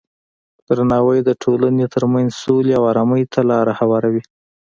درناوی د ټولنې ترمنځ سولې او ارامۍ ته لاره هواروي.